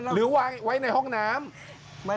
หรือวางไว้ในห้องน้ำ